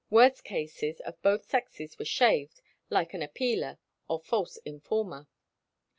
Worse cases of both sexes were shaved, like "an appealer," or false informer.